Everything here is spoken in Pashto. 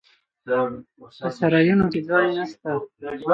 په سرایونو کې ځای نسته.